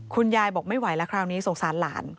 คุณยายบอกไม่ไหวแล้วคราวนี้สงสารหลาน